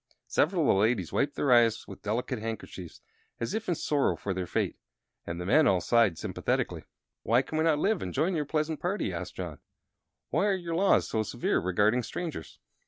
Several of the ladies wiped their eyes with delicate handkerchiefs, as if in sorrow for their fate, and the men all sighed sympathetically. "Why can we not live, and join your pleasant party?" asked John. "Why are your laws so severe regarding strangers?"